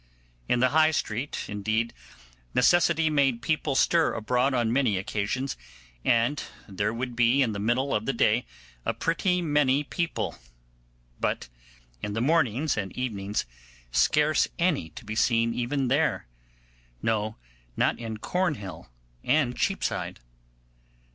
In the High Street, indeed, necessity made people stir abroad on many occasions; and there would be in the middle of the day a pretty many people, but in the mornings and evenings scarce any to be seen, even there, no, not in Cornhill and Cheapside.